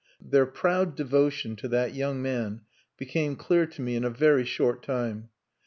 Their proud devotion to that young man became clear to me in a very short time.